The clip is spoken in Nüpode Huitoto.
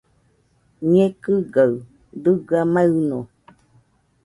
Ñekɨgaɨ dɨga maɨno